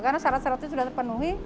karena syarat syaratnya sudah terpenuhi